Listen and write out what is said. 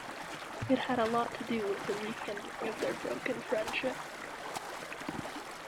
It had a lot to do with the rekindling of their broken friendship.